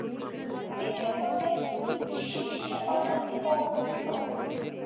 বেদের মতে সৃষ্টি অনাদি ও অনন্ত।